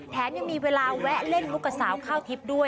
แถมยังมีเวลาแวะเล่นมุกกับสาวข้าวทิพย์ด้วย